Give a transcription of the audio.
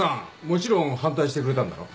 もちろん反対してくれたんだろ？